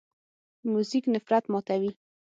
موزیک نفرت ماتوي.